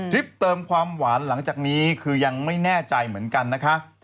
เติมความหวานหลังจากนี้คือยังไม่แน่ใจเหมือนกันนะคะ